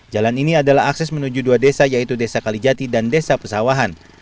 jalan ini adalah akses menuju dua desa yaitu desa kalijati dan desa pesawahan